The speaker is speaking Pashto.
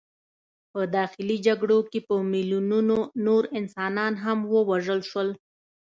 په داخلي جګړو کې په میلیونونو نور انسانان هم ووژل شول.